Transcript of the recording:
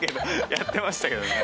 やってましたけどね。